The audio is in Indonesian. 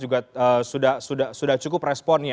juga sudah cukup responnya